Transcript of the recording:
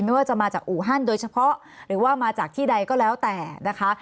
ไม่ว่าจะมาจากอู่ฮั่นโดยเฉพาะหรือว่ามาจากที่ใดก็แล้วแต่นะคะ